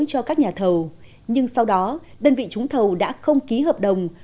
cho các nhà thầu nhưng sau đó đơn vị trúng thầu đã không ký hợp đồng